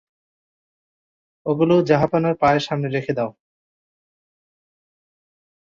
ওগুলো জাহাঁপনার পায়ের সামনে রেখে দাও।